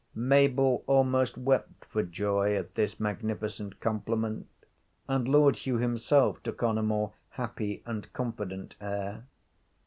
Mabel almost wept for joy at this magnificent compliment, and Lord Hugh himself took on a more happy and confident air.